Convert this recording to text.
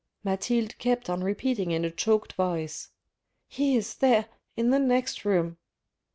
Mathilde kept on repeating in a choked voice :" He is there in the next room."